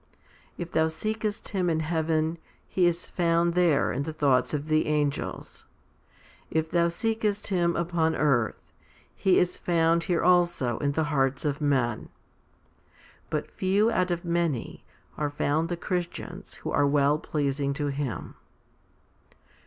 If thou seekest Him in heaven, He is found there in the thoughts of the angels. If thou seekest Him upon earth, He is found here also in the hearts of men. But few out of many are found the Christians who are well pleasing to Him.